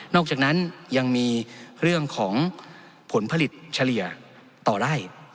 อกจากนั้นยังมีเรื่องของผลผลิตเฉลี่ยต่อไร่